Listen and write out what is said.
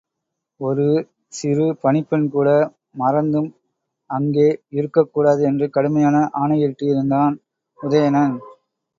ஒரு சிறு பணிப்பெண்கூட மறந்தும் அங்கே இருக்கக் கூடாது என்று கடுமையான ஆணையிட்டிருந்தான் உதயணன்.